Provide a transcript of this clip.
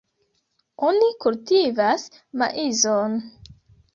Oni kultivas maizon.